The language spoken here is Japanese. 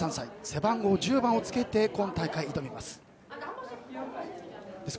背番号１０番をつけて今大会、挑みます。